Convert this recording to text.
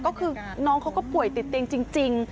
ก็คือน้องเขาก็ป่วยติดเตียงจริง